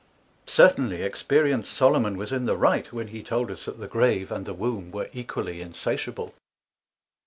Certainly experienc'd Solomon was in the right, when he told us that the Grave and the Womb were equally Insatiable.